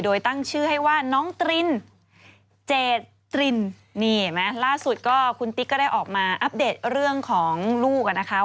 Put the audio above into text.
โดยตั้งชื่อให้ว่าน้องตรินเจตรินนี่เห็นไหมล่าสุดก็คุณติ๊กก็ได้ออกมาอัปเดตเรื่องของลูกอ่ะนะคะ